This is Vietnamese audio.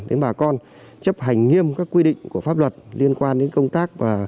đến bà con chấp hành nghiêm các quy định của pháp luật liên quan đến công tác